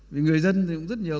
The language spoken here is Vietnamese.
vì người dân thì cũng rất nhiều